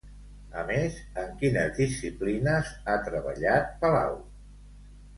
A més, en quines disciplines ha treballat Palau?